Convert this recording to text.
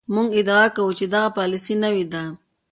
موږ ادعا کوو چې دغه پالیسي نوې ده.